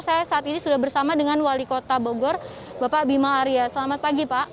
saya saat ini sudah bersama dengan wali kota bogor bapak bima arya selamat pagi pak